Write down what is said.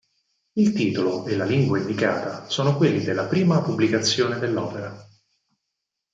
Il titolo e la lingua indicata sono quelli della prima pubblicazione dell'opera.